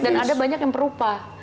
dan ada banyak yang perupa